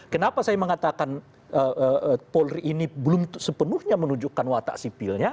kenapa saya mengatakan polri ini belum sepenuhnya menunjukkan watak sipilnya